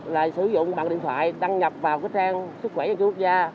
lại sử dụng bằng điện thoại đăng nhập vào trang sức khỏe của quốc gia